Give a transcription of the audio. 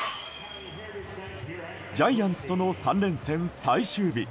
ジャイアンツとの３連戦最終日。